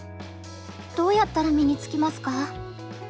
どうやったら身につきますか？